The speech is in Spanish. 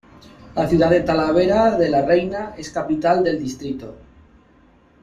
La ciudad de Talavera de la Reyna es capital del distrito.